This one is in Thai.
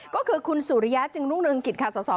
ก็คือคุณสุริยะจึงรุ่งนึงกิจค่าสอสอบ